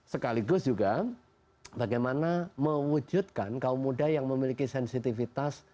sekaligus juga bagaimana mewujudkan kaum muda yang memiliki sensitivitas